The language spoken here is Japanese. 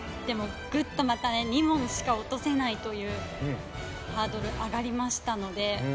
でもグッとまたね２問しか落とせないというハードル上がりましたので。